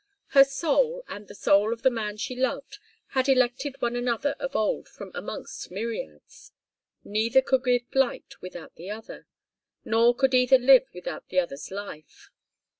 Her soul, and the soul of the man she loved had elected one another of old from amongst myriads; neither could give light without the other, nor could either live without the other's life.